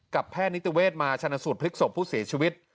แพทย์นิติเวศมาชนะสูตรพลิกศพผู้เสียชีวิต